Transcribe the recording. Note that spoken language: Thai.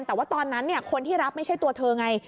แต่ว่าตอนนั้นคนที่รับไม่ใช่ตัวเธอไง